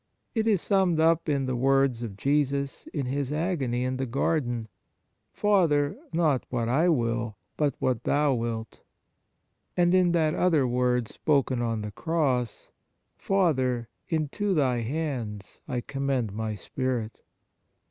It is summed up in the words of Jesus in His agony in the garden :" Father, not what I will, but what Thou wilt "; and in that other word spoken on the Cross :" Father, into Thy hands I commend My spirit."